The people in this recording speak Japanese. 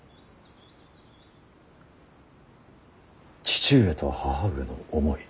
父上と義母上の思い